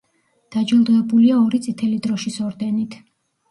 დაჯილდოებულია ორი წითელი დროშის ორდენით.